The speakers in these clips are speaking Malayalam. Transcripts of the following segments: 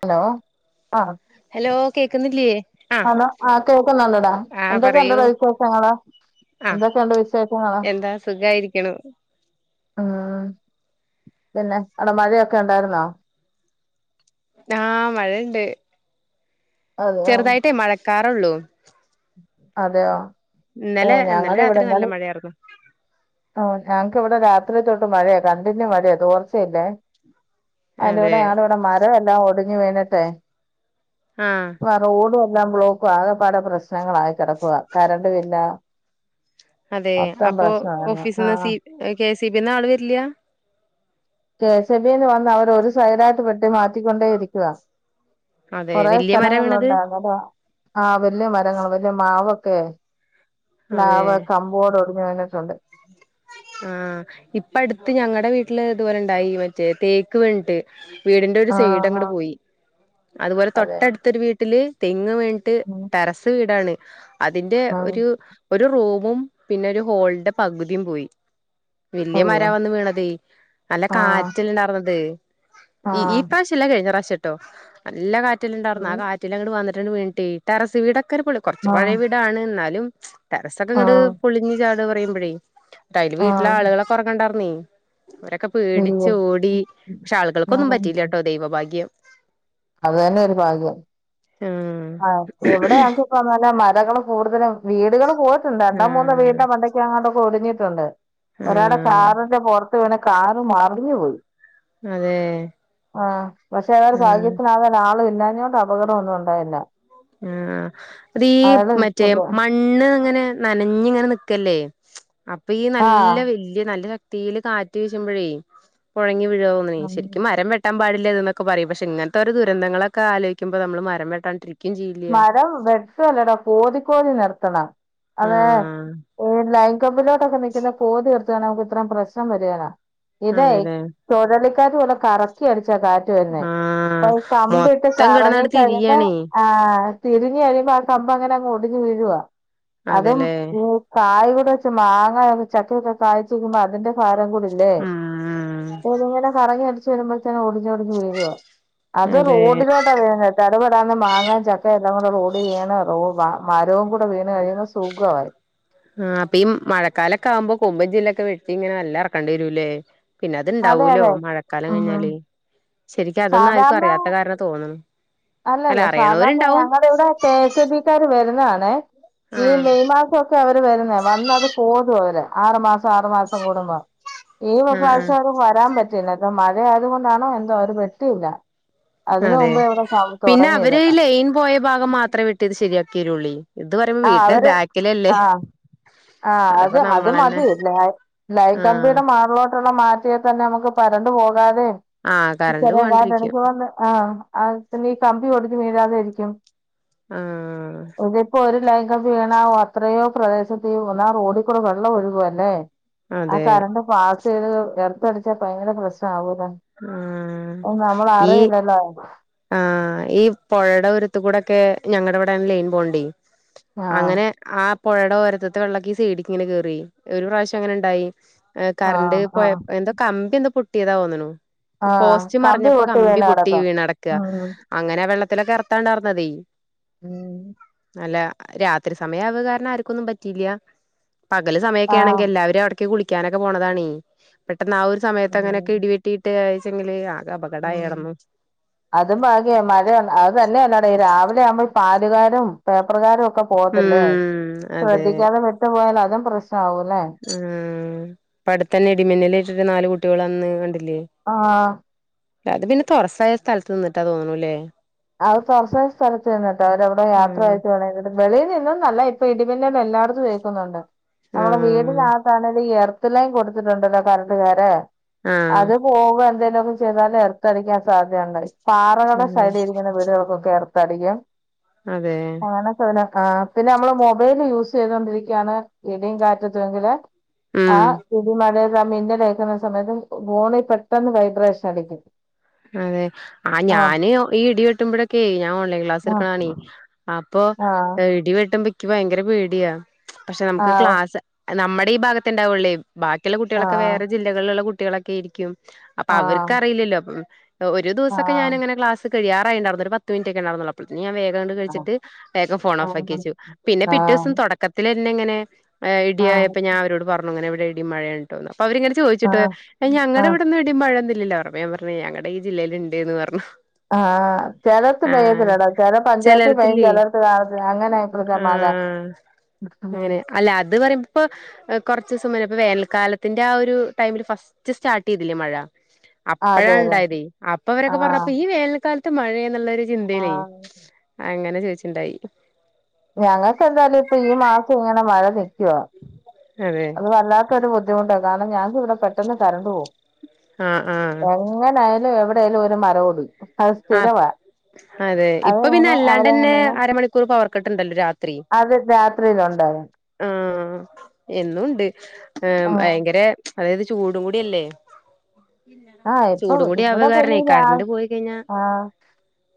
ഹലോ ഹലോ കേക്കുന്നില്ലേ ആഹ് ആഹ് കേൾക്കുന്നുണ്ടടാ ആഹ് എന്തൊക്കെണ്ട്ടാ പറയൂ വിശേഷങ്ങള് ആഹ് എന്തൊക്കെയുണ്ട് വിശേഷങ്ങള്? എന്താ സുഖായിരിക്കണു ആഹ് പിന്നെ അട മഴയൊ ക്കെണ്ടായിരുന്നോ? ആഹ് മഴണ്ട് അതെയോ ചെറുതായിട്ട് മാഴ കാറോള്ളൂ അതെയോ ഓ ഇന്നലെ ഇന്നലെ ഞങ്ങടെ ഇവിടെ രാത്രി ഇന്ന നല്ല മഴയായിരുന്നു ഓ ഞങ്ങക്ക് ഇവടെ രാ ത്രി തോട്ട് മഴാ കണ്ടിന്യു മഴാ തോർച്ചയില്ലേ അതെ അയിന്റുടെയാണ് ഇവിടെ മരം എല്ലാം ഓട് ഇനി വേണട്ടെ ആഹ് വറോട് ഒ എല്ലാം ബ്ലോക്കും ആകപാടെ പ്ര പ്രശ്നങ്ങളായി കിടക്കുവ കരണ്ടുംവില്ല അതെ അപ്പൊ പ്രശ്നമായിരുന്നു ഓഫീസ്ന്ന് ആഹ് സി കെ സിബിന്ന് ആള് വരില്ല കെ എസ് സി ബിന്ന് വന്ന് അവര് ഒരു സൈഡായിട്ട് വെട്ടി മാറ്റിക്കൊണ്ടേ ഇരിക്കുക അതെ കുറെേ വല്യ മരാ സ്ഥലങ്ങളില വീണത് ഉണ്ടായിന്നരോ ആ വലിയ മരങ്ങൾ വലിയ മാവ് ആ ന അവ കമ്പോട് [unintelligible] ആ ഇപ്പ അടുത്ത് ഞങ്ങടെ വീട്ടില് ഇതുപോലെ ഇണ്ടായി മറ്റേ തേക്ക് വീണ്ട്ട്ട് വീടിന്റെ ഒരു ആഹ് സൈഡങ്ങട്ട് ആഹ് പോയി അതുപോലെ അതെ തൊട്ടടുത്തൊരു വീട്ടില് ങ്ങ് വീണ്ടിട്ട് ഉം ടെറസ് വീടാണ് [inaudible] അതിന്റെ ആഹ് ഒരു ഒരു റൂ പിന്നെ ഒരു ഹോൾ പകുതിയും പോയി വല്യയ അയ്യോ മരാ വന്ന് വീണതെ നല്ല ആഹ് കാറ്റ്ണ്ടാർന്നത് ഇ ഈ ആഹ് പ്രാശല്ല കഴിഞ്ഞ പ്രാവശ്യം ട്ടോ നല്ല കാറ്റ് റ്റ് ണ്ടാർന്ന് ആ കാറ്റില അങ്ങട്ട് വന്ന് ട്ടൺ വീണട്ടേ ടറസ് വീടൊ [unintelligible] കൊറച്ച് പഴേ ആഹ് വീടാണ് ഇന്നാലും [inaudible] ടെറസൊക്കെ ഇങ്ങട്ട് ആഹ് പൊളിഞ് ചാ ന്താ പറയുമ്പളെ [inaudible] [unintelligible] അതില് വീട്ടില് ആഹ് ആളുകളൊക്കെ ഉറങ്ങുയുണ്ടാർന്നേ അവരൊക്കെ അയ്യോ പേടിച്ച് ഓടി പക്ഷെ ആളുൾക്കൊന്നും ആഹ് പറ്റില്ല ട്ടോ ദൈവഭാഗ്യം അത് തന്നെ ഒരു ഭാഗ്യം ആഹ് ആ ഇവിടെ ഞങ്ങക്കിപ്പയങ്ങനെ മരങ്ങളും കൂടുതലും വീടുകളും- പോയിട്ടുണ്ട് രണ്ടോ മൂന്നോ ആഹ് വീടിന്റെ മണ്ടക്കെങ്ങാണ്ട് - ഒടിഞ്ഞിട്ടുണ്ട് ഒരാളെ ആഹ് കാറിന്റെ പോറത്ത് ന്ന് വടേ കാർ മറഞ് പോയി അതെ ആഹ് പക്ഷെ അതൊരു ആഹ് ഭാഗ്യത്തിനാകെ ആള് ഇല്ലാഞ്ഞോട് അപകടം ഒന്നും ഉണ്ടായില്ല. ആഹ് വീ അയാള് മറ്റേ മണ്ണ് ഇങ്ങനെ നനഞ്ഞ ഇങ്ങനെ നി ക്ക്ല്ലേ അപ്പ ഈ ആഹ് നല്ല വല്ല്യ നല്ല ചക തീല് കാറ്റ് വീശുമ്പഴ് [unintelligible] [unintelligible] ശെരിക് മരം വെട്ടാം പാടി ല്ല തെന്ന് ഒക്കെ പറയും പക്ഷേ ങ്ങന് ത്തെ ഒര് ദുരന്തങ്ങളൊക്കെ ആലോയ്കുമ്പോ നമ്മള് മരം വേട്ടാ ണ്ട്രി മരം വെട്ടുല്ലടാ കോതി കോതി നട് ത്ത് ണ അതെ ആഹ് [unintelligible] കൊബിലോട്ടൊക്കെ നിക്ക്ണെ കോതി നിർത്താണങ്കി ഇത്രം പ്രശ്നം വരില ഇത് അതെല്ലേ [unintelligible] [unintelligible] കറക്കി അടിചി ച്ച കാറ്റ് വരുന്നെ ആഹ് അപ്പൊ കമ്പിയൊക്കെ മൊത്തം കറങ്ങി കിടന്നട് [unintelligible] തിരിയാണേ ആ തിരിഞ്ഞ് വരുമ്പോ ആ കമ്പ് അങ്ങന അങ് ഒടിഞ്ഞ് വീഴുവാ അതും അതെല്ലേ മൂ കാ [unintelligible] ഇപ്പക്കെ മാങ്ങയാലും ചക്കൊക്കെ കാ്ഴ്ച്ക്മ്പോ അതിന്റെ പാട് ഉം [unintelligible] കറങ്ങി അടി റ്റ് വരുമ്പോ തന്നെ ഒടിഞ് ഒടിഞ് വീഴുവാ അത് അതെ റോഡിലോട്ടാ വീഴിഞത് ചടപെടാന്ന് മാങ്ങ് ആ ചക്ക എല്ലാം കൂടെ റോഡ് വീണ റൊ വ മരവും കൂടെ വീണ് കഴിയുമ്പോ സുഖ ആയി ആ അപ്പ ഈ മഴക്കാലൊക്കെ ആകുമ്പോ കൊമ്പും ചില്ലക്കെ വെട്ടി ങ്ങനെ നല് ല്ലാർക്കണ്ടിരുലേ പിന്നെ അതെ അത്ണ്ടാവൂലോ അതെ മഴക്കാലം ഉം കഴിഞ്ഞാലെ ശരിക്ക് അതൊന്ന് ആർക്കും സാധാരണ അറിയാത്ത കാരണ തോന്ന്ണ് അല്ലല്ല സാധാരണ ഞങ്ങടെ ഇവിടെ കെ സി ബി ക്കാാര് വരും ന്നാന്നെ ഈ ആഹ് മെയ് മാസൊക്കെ അവ [unintelligible] ക്ക് വരുന്നേ വന്നത് പോതൊവര് [unintelligible] ആറുമാസം ആറുമാസം കൂടുമ്പോ ഈ ആഹ് മാസം അവ് ആഹ് [unintelligible] വരാൻ പറ്റില്ല ട്ട മ്മ [unintelligible] ചെ അതുകൊണ്ടാണോ എന്തോ അവര് [unintelligible] വെട്ടിയില്ല അതിന് അതെ മുമ്പേ എടെ [unintelligible] പിന്നെ അവര് ഈ ലൈയിൻ പോയ ഭാഗം മാത്രമേ വെട്ടി ശരിയാക്ക്യരൊള്ളനി ആ അവര് ആ ആ അത് അതപ്പോ അത് നമ്മളന്നെ മതി ല ആഹ് ലയക്കമ്പിയുടെ മാറിലോട്ടുള്ള മാറ്റിയെ തന്നെ നമുക്ക് പരണ്ട്പോക വാവെ ആഹ് ഇ കറണ്ട് ചെറിയ കാർഡ് പോവാണ്ടിരിക്കും എടക്ക് വന്ന് ആഹ അഹ് പിന്നെ ഈ കമ്പി ഒടിഞ്ഞു വീ ഴാതെയിരിക്കും ആഹ് ഇ ലൈംഗം വീണാവോ അത്രയോ പ്രദേശത്ത് [unintelligible] റോഡിൽ കൂടെ വെള്ളം ഒഴുകുവ അല്ലേ ആ അതെ കറണ്ട് പാസ് - ചെയ്തത് എർത്തടിച്ചാൽ ഭയങ്കര പ്രശ്നം ആവും ആഹ് ഉം നമ്മൾ ഈ അറിയില്ലല്ലോ ആഹ് ഈ പൊഴയുടെ ഉരുത്ത കൂടെക്കെ ഞങ്ങടെ ഇവിടെ ലെയിൻ പോൺണ്ടേ ആഹ് അങ്ങനെ ആഹ് പൊഴയുടെ ഓരത്തത്തെ വെള്ളക്ക ഈ സൈഡിക്ക് ഇങ്ങനെ കേ റൌ ഒരു പ്രാവശ്യം അങ്ങനെ ഉണ്ടായി അ കറണ്ട് ആഹ് ആഹ് പോയപ്പോ എന്താ കമ്പി എന്താ പൊട്ടി ട്ടിയത തോന്നണു ആഹ് ക്ക്പോസ്റ്റ് മറിഞ്ഞപ്പോ കമ്പി വീണ് പൊട്ടി കെടക്കും വീണടക്ക യ ഉം അങ്ങനെ അ വെള്ളത്തിലൊക്കെ കറത്താണ്ടർന്നതേ ഉം അല്ല രാത്രി സമയാവന്നത് കാരണം ആർ ക്കൊന്നും പറ്റിയില്ല പകല് ആഹ് സമയൊക്കേണെങ്കിൽ ല്ലാവരും അ ഇക്ക്യ കുളിക്കാനൊക്കെ പോണതാണെ ന്ന ആ ഒരു സയത്ത് അങ്ങനൊക്കെ ഉം ഇടിവെട്ടിട്ട് [unintelligible] ഇത് ഉം അപകടായാർന്നു. അതും ഭാഗ്യ മഴ ത് അത് തന്നെയല്ലടെ ഈ രാവിലെ ആവുമ്പോ ഈ പാലുകാരും പേപ്പറുകാരും ഓക് ക്കെ പോത്തില്ലേ ഉം അതെ ശ്രദ്ധിക്കാതെ വിട്ടു പോയാൽ അതും [unintelligible] റ്റാവുലേ പ്പ അടുത്ത് തന്നെ ഇടിമിന്നലേറ്റിട്ട് നാല് കുട്ടികള അന്ന് കണ്ടി ആ അത് പിന്നെ തൊറസ്സായ സ്ഥലത്ത് നിന്നിട്ടാ തോന്നണൂല്ലേ. അവത് തൊറസ്സായ സ്ഥലത്ത് നിന്നിട്ട് അവരവിടെ ആഹ് യാത്രയായിട്ട് വേണങ്കില് വെളിയിൽ നിന്നുന്നല്ല ഇപ്പ ഇടിപ് ഇവന്റത് എല്ലാടത്തും ഏക്കുന്നുണ്ട്. നമ്മള ആഹ് വീടിനാത്താണെലും എർത് ത്തെല്ലാം കൊടുത്തിട്ടുണ്ടല്ലോ കറണ്ട്കാരെ. അത് ആഹ് പോവ എന്തേലും [unintelligible] ചെയ്താല് എർത്തടിക്കാൻ സാധ്യതയുണ്ടായി. പാറകടെ സൈഡിന്ന് വീടുകൾകൊക്കെ എർത്തടിക്കാം. അതെ ആ പിന്നെ മ്മള് മൊബൈല് യൂസ് ചെയ്തോണ്ടിരിക്കാണ് ഇടിയും കാറ്റത്തു എങ്കില് ഉം ആഹ് ഇടീം മഴെ [unintelligible] മിന്നലേക്കുന്ന സമയത്ത് ബോണിൽ പെട്ടെന്ന് വൈബ്രേഷൻ അടിക്കും. അതെ ആ ആഹ് ഞാന് യോ ഈ ഇടി വെ വെട്ടുമ്പോഴക്കെ ഞാൻ ഓൺലൈൻ ക്ലാസ് ആഹ് എടുക്കണതാണേ അ പ്പോ ആഹ് എ ഇടി വെ ട്ടുമ്പക്ക് ഭയങ്കര പേടിയാ. പക്ഷേ നമുക്ക് ക്ലാസ് നമ്മുടെ ഈ ഭാഗത്തെണ്ടാവുള്ളേ. ബാക്കിയൊള്ള ആഹ് കുട്ടികളൊക്കെ വേറെ ജില്ലകളിലുള്ള കുട് ട്ടികളൊക്കെ ഇരിക്കും. അപ്പ ആഹ് അവർക്കറിയില്ലല്ലോ അപ്പം. [unintelligible] ഒരു ദിവസൊക്കെ ആഹ് ഞാനങ്ങനെ ക്ലാസ് കഴിയറായിണ്ടാർന്നു ഒരു പത്ത് മിനിറ്റെക്കെണ്ടാർന്നുള്ളു അപ്പൊളത്തെനിം ഞാൻ വേ ഗം അങ്ങിട് കഴിച്ചിട്ട് വേഗം ഫോണോഫാക്കി ആഹ് വെച്ചു, പിന്നെ ആഹ് പിറ്റേസം ആഹ് തൊടക്കത്തില് പിന്നെഎങ്ങനേ ആഹ് ഇടിയായപ്പോ ഞാൻ അവരോട് പറഞ്ഞു ഇടിം മഴയാണ് ട്ടോ അവരിങ്ങനെചോയ്ച്ചിട്ട് ആഹ് അയിന് ആഹ് ഞങ്ങടെവിടൊന്നും ഇടീം മഴയൊന്നും ഇല്ലല്ലോ പ്പ ഞാൻ പറഞ് ഞങ്ങടെ ഈ ജില്ലെലിണ്ട് ന്ന് പറഞ്ഞു ആഹ് ചിലയിടത്ത് ആഹ് പെയ്യത്തിലടാ ചില പഞ്ചായത്തി പെയ്യും ചെലടത്തില്ലേ ചിലർക്ക് കാണത്തില്ല അങ്ങനെപ്പോത്തെ മഴ ആഹ് കുറച്ചൂസം വരെ ഇപ്പ വേനൽക്കാലത്തിന്റെ ആ ഒരു ടൈമിൽ ഫസ്റ്റ് സ്റ്റാർട്ടിതില്ലേ മഴ ആ, അപ്പഴാ അതെ ഇണ്ട അതെ അപ്പൊ അവരൊക്കെ ആഹ് പറഞ്ഞപ്പ ഈ വേനൽ ത്ത് മഴ എന്നൊള്ളൊരു ചിന്തയിലെ ആഹ് അങ്ങനെ ചോിച്ചിണ്ടായി ഞങ്ങൾക്ക് എന്തായാലും ഇപ്പൊ ഈ മാസം ഇങ്ങനെ മഴ നൽക്കുവാ അതെ അത് വല്ലാത്തൊരു ബുദ്ധിമുട്ടാണ് കാരണം ഞങ്ങക്ക് ഇവിടെ പെട്ടെന്ന് കരണ്ട്ു പോക ആഹ് ആഹ് എങ്ങനൊയാലും ഇവിടെ ഒരു മാരോട് ആ അതെ ഇപ്പൊ പിന്നെ അതങ്ങനെ അല്ലാണ്ട് തന്നെ അവരങ്ങനെ അരമണിക്കൂർ പവർ കിട്ടണ്ടല്ല അത് രാത്രിയില് ഒണ്ട ആ എന്നുംണ്ട് ആ ആഹ് ഭയങ്കര അതായത് ചൂടും കൂടി അല്ലേ ആഹ് ഇപ്പൊ ചൂട കൂടി ഇവിടെ പിന്നെ അവകാരണേ ഈ രാ കടണ്ട് പോയി കഴിഞ്ഞാ ആഹ്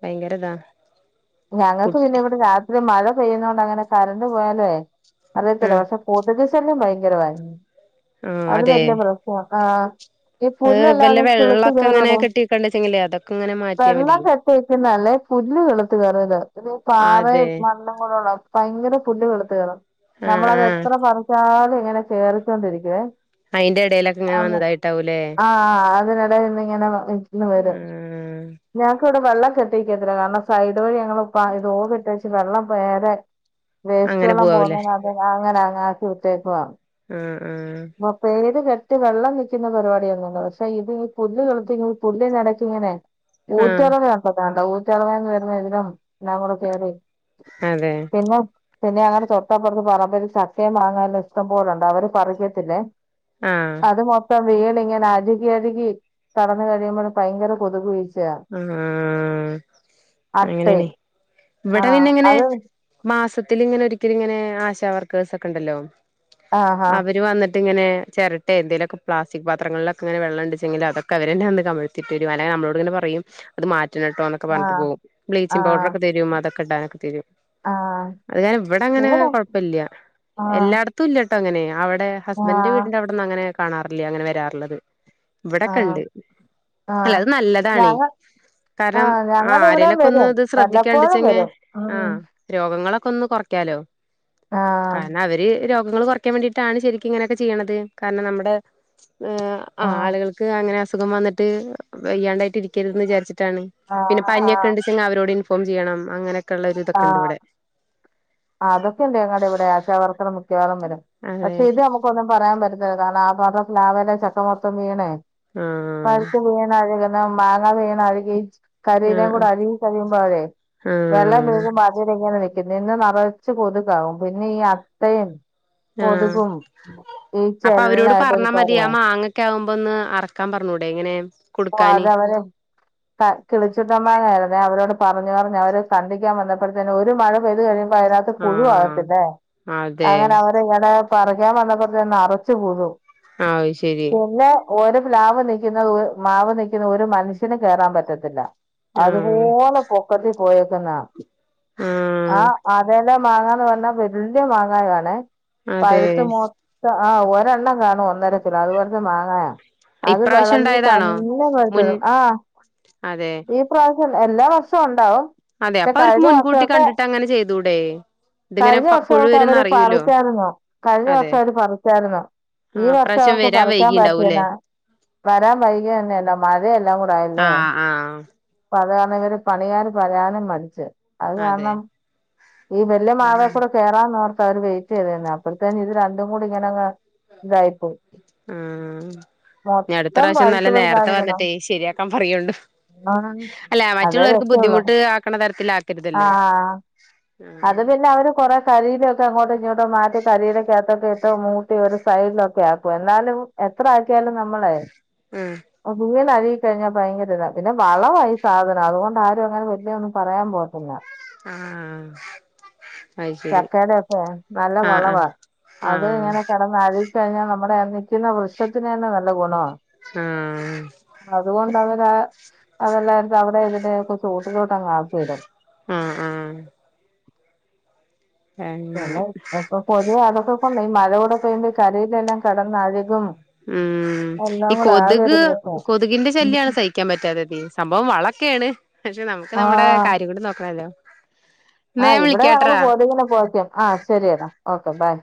ഭയങ്കരതാ ഞങ്ങൾക്ക് പിന്നെ ഇവിടെ രാത്രി മഴ പെയ്യുന്ന കൊണ്ട് അ കരണ്ട് പോയാലാവേ അറിയത്തില്ല ആഹ് പക്ഷെ കൊതുക ശല്യ ഭയങ്കര [unintelligible] ആഹ് അത് അതെ വല്യ ആഹ ഈ ഏഹ് വല്ല പുല്ലല്ലാഅങ്ങ് കിള്ത്ത് വെള്ളമൊക്കെ ഇങ്ങനെ കെറുവാട കെട്ടിക്കണ്ടച്ചെങ്കിലേ അതൊക്കെ ഇങ്ങനെ മാറ്റിയാ വെള്ളം മതി കട്ടേക്കുന്നല്ലേ പുല്ല് കിള് റ ഇ പാറയും അതെ മണ്ണും കൂടെ ഭയങ്കര പുല്ലുകൾ കിള് [unintelligible] ആഹ് നമ്മളത് ആഹ് എത്ര പറച്ചാല് ഇങ്ങനെ കേറിക്കോണ്ടിരിക്കുവേ അയ്ന്റ് ഇടയിലൊക്കെ ഇങ്ങനെ വന്നതായിട്ടാവൂല്ലേ അതിന്ടെ ഇന്ന് ഇങ്ങനെ ഇന്ന് വരും ആഹ് ഞങ്ങക്ക് ഇവിടെ വെള്ളം കെട്ടി ക്കത്തില്ല കാരണ ഇതുവഴി ഞങ്ങ പ ഇത് [unintelligible] വെള്ളം മേലെ വേസ്റ്റ് അങ്ങനെ വെള്ളം പോവാവൂലേ പോന്ന അത് അങ്ങനങ്ങ് ത്തൂത്തെക്കുവാ. ഉം മൊ പ്പേത് കെ ട്ടി വെള്ളം നിൽക്കുന്ന പരിപാടിയന്നണ്ട് പക്ഷെ ഇത് ഈ പുല്ല് കിള്ത്തിക്കുമ്പോ പുല്ലിനിടക്കിങ്ങനെ ആഹ് [unintelligible] തെളവന്ന് വരുന്ന ഇതിനോ എല്ലാകൂട കേറി അതെ. പിന്നെ പിന്നെ ഞങ്ങട തൊട്ടപ്പുറത്ത് പറമ്പില് ചക്കേം മാങ്ങ എല്ലാം ഇഷ്ടം പോലെണ്ട് അവര് പറിക്ക് ത്തില്ലേ. ആഹ് അത് മൊത്തം വീണിങ്ങനെ അഴുകിയഴുകി കെടന്ന് കഴിയുമ്പോഴും ഭയങ്കര കൊതുക് ഈച്ച ഇം അട്ടേ അങ്ങനേണെ ഇവിടെ ആഹ് പിന്നെങ്ങനെ അത് മാസ ത്തിലിങ്ങനെ ഒരിക്കലിങ്ങനെ ആശ വർക്കേഴ്സ് ഒക്കെ ഇണ്ടല്ലോ ആഹാ അവര് വന്നി ട്ടിങ്ങനെ ചെരട്ടേ എന്തേലൊക്കേ പ്ളാസ്റ്റിക് പത്രങ്ങളൊക്കെങ്ങനേ വെള്ളൊണ്ടെച്ചിങ്കില് അതൊക്കെ അവരന്നേ വന്ന് കമഴ്ത്തിത്തരും അങ്ങനെ നമ്മളോടിങ്ങനെ പ റയും അത് മാ റ്റണോട്ടോ എന്നൊക്കേ ആഹ് പറഞ്ഞട്ട് പോകും ബ്ലീച്ചിങ് ആഹ് പൗഡറൊക്കെ തരും അതെ ക്കിടാനൊക്കെ തരും. ആഹ് അത് ഇവിടങ്ങന എവിടെ കൊഴപ്പില്ല്യ ആഹ് എല്ലാടത്തും ഇല്ല തങ്ങനെയാ അവ ടെ ഹസ്ബിന്റെ ആഹ് വീടിന്റവിടന്ന് അങ്ങനെ കാണാറില്ലേ അങ്ങനെ വരാറിള്ളത്. ആഹ് ഇവിടക്കെണ്ട് അല്ല അത് നല്ലതാണേ ആ കാരണം ആ ഞങ്ങടിവിടേം ആരേലൊക്കെ ഒന്ന് വരും ഇത് വല്ലപ്പോഴും വരും. ഇം ഇങ്ങളൊക്കൊന്ന് കൊറയ്ക്കാലോ ആഹ് കാരണം അവര് രോ ഗങ്ങള് കൊറക്കാൻ വേണ്ടിയിട്ടാണ് ശരിക്കും ഇങ്ങനൊക്കെ ചെയ്യണത് കാരണം നമ്മുടെ ഉം ആഹ് ആളുകൾക്ക് അങ്ങന അസുഖം വന്നിട്ട് വയ്യാണ്ടായിട്ടിരി ക്കരുതെന്ന് വിചാരിച്ച് ട്ടാണ് പിന്നെ ആഹ് പനിയൊക്കെ ആഹ് ഇണ്ട്ച്ചെങ്കി അവരോട് ഫോം ചെയ്യണം അങ്ങനെക്ക് ആഹ് ആ അതൊക്കെ ഇണ്ട് ഞങ്ങടിവിടെ ആശാ വർക്കറ വേഗം വരും അതെ പക്ഷെ ഇത് നമുക്കൊന്നും പറയാൻ പറ്റത്ത് കാരണം ഭാഗത്തെ പ്ലാവേലെ ചക്ക മൊത്തം വീണേ ആഹ് പഴ്ത്ത് വീണഴുക് ആ മാങ്ങ വീണഴ്കീയേച്ച് കരീലേം ആഹ് കൂടെ അഴുകി കഴിയുമ്പഴേ വെള്ള ആഹ് [unintelligible] നിക്കുന്നേ പിന്നെ നറച്ച് കൊതുകാവും പിന്നെ ഈ അട്ടയും ആഹ് ഈച്ച അപ്പൊ അവരോട് എല്ലായിട്ട് ഒരു പറഞ്ഞാ മതി ആ പരുവാ മാങ്ങൊക്കെ ആവു ഒന്ന് അറക്കാൻ പറഞ്ഞൂടെ ഇങ്ങനെ ഓ അത് കൊടുക്കാന് അവര് ക കിളിച്ചുണ്ടൻ മാങ്ങ ആയിരുന്നേ അവരോട് പറഞ്ഞ് പറഞ്ഞ് അവര് കണ്ടിക്കാൻ വന്നപ്പഴ്ത്തെന് ഒരു മഴ പെയ്തു കഴിയുമ്പ അതിനകത്ത് പുഴു ആഹ് ആകത്തില്ലേ അതെ അങ്ങനെ അവര് ഇങ്ങടെ പറിക്കൻ വന്നപ്പത്തേ നറച്ചു പുഴു ആഹ് ശരി ഓരോ പ്ലാവ് നിക്കുന്നത് ഒ മാവ് നിക്കുന്ന ഒരു മനുഷ്യന് കേറാം പറ്റത്തില്ല ആഹ് അതുപോലെ പൊക്കത്തി പോയേക്കന്നാ ആഹ് അതേ ല്ല മാങ്ങാന്ന് പറഞ്ഞാ വല്ല്യ മാങ്ങായാണേ അതെ പഴുത്ത് മൊത്ത ആഹ് ഒരെണ്ണം കാണും ഒന്നര കിലോ അതുപോലത്തെ മാങ്ങായാ. അത് ഇപ്രാവശ്യം വളഞ്ഞു ഉണ്ടായതാണോ തന്നെ മുൻ [unintelligible] ആ അതെ ഈ പ്രാ എല്ലാ വർഷോണ്ടാവും [unintelligible] അതെ അപ്പൊ അവർക്ക് കഴിഞ്ഞ മുൻകൂട്ടി വർഷൊക്കെ കണ്ടിട്ട് അങ്ങനെ ചെയ്തൂടെ ഇതിങ്ങനെ കഴിഞ്ഞ പ പുഴു വർഷൊക്കെ വരുംന്ന് അവര് അറിയൂലോ പറിച്ചായിരുന്നു കഴിഞ്ഞ അതെ വർഷം അവര് പറിച്ചാരുന്നു ഈ ആഹ് വർഷം ഇപ്രാവശ്യം അവർക്ക് വരാൻ പറിക്കാൻ പറ്റീല വൈകിണ്ടാവൂല്ലേ വരാൻ വൈ ല്ല മഴേം എല്ലാം കുടായില്ലേ ആഹ് ആഹ് അതാണ് വര് പണിയാാന്ന് പറയാനും മടിച്ചെ അത് അതെ കാരണം ഈ വല്ല്യമാവേകൂടെ കേറാന്നർ സാർ വെയ്റ്റ് ചെയ്തേന് അപ്പത്തേനും ഇത് രണ്ടും കൂടിങ്ങനങ്ങ് ആഹ് മൊത്തം ഞ്ഞട്ത്തറാശ്യം നല്ല പഴുത്ത് നേറ്ത്തെ പഴുത്താണ് വന്നിട്ടേ ശെരിയാക്കാം പറയാേണ്ടു വീണത് അല്ല അതേ മറ്റ്ള്ളവർക്ക് രക്ഷയുള്ളൂ ബുദ്ധിമുട്ട് ആക്ക്ണ തരത്തിലാക്കര്തല്ലോ ആഹ് അത് പിന്നെ അവര് കൊറെ കരിയിലൊക്കെ അങ്ങോട്ടും ഇങ്ങോട്ടോ മാറ്റി കരിയില ക്കത്ത് റ്റോ മൂട്ടി ഒരു സൈഡിലൊക്കെ ആക്കും എന്നാലും എത്ര ആക്കിയാലും നമ്മളെ ഉം അഴ്കികഴിഞ്ഞാ ഭയങ്കര താ പിന്നെ വളവാ ഈ സാധനം അത്കൊണ്ട് ആരും അങ്ങനെ വെർതെ ഒന്നും പറയാം പോകത്തില്ലാ ആഹ് ആഹ് അത് ശരി ചക്കേടെ ഒക്കേ നല്ല ആഹ് വളവാ ആഹ് അത് ആഹ് ങ്ങനെ കെടന്നളി ച്ച് കഴിഞ്ഞാ നമ്മളെ നിക്ക്ന്ന വൃക്ഷത്തിന് തന്നെ നല്ല ഗുണാ ആഹ് താ അതെല്ലാര്തും അവ്ടെ ഏത് [unintelligible] ചോട്ടിലോട്ടങ്ങ് ആക്കിയിടും ആഹ് ആഹ് അങ്ങനെ [unintelligible] അപ്പൊ പതിയെ അതൊക്കെ ല്ല ഈ മഴോടൊപ്പം ഈ കരിയിലെല്ലാം ക ഊം എല്ലാം ഈ കൂടെ ആകെ ഒരു കൊത്ക് പ്രശ്നം കൊത്കിന്റെ ശല്ല്യാണ് സഹിക്കാൻ പറ്റാത്തത് സംഭവം വള ക്കേണ് ആഹ് എന്നാ ആഹ് ഞാൻ ഇവ്ടെ ഞങ്ങള് വിളിക്കാട്രാ കൊത്കിനെ പോകയ്ക്കും ആഹ് ശെരിയെടാ ഓക്ക ബായ്